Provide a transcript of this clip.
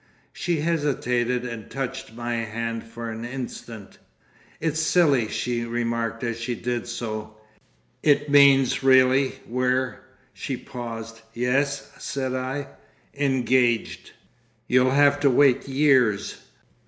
She hesitated and touched my hand for an instant. "It's silly," she remarked as she did so. "It means really we're—" She paused. "Yes?" said I. "Engaged. You'll have to wait years.